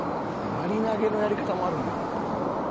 やり投げのやり方もあるんだ。